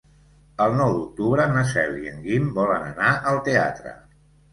El nou d'octubre na Cel i en Guim volen anar al teatre.